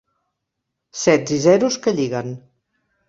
Sets i zeros que lliguen.